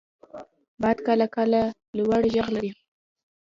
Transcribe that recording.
• باد کله کله لوړ ږغ لري.